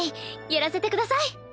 やらせてください。